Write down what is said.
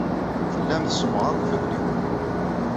Tellam tessemɣarem tugniwin.